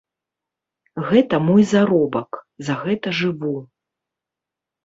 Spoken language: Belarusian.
Гэта мой заробак, за гэта жыву.